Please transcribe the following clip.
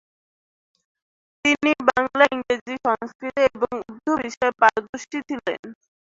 তিনি বাংলা, ইংরেজি, সংস্কৃত এবং উর্দু বিষয়ে পারদর্শী ছিলেন।